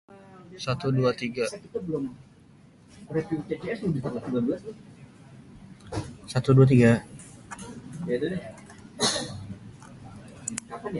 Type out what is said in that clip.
Adat lama pusaka usang